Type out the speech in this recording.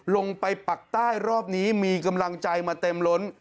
ปักใต้รอบนี้มีกำลังใจมาเต็มล้น